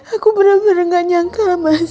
aku bener bener gak nyangka mas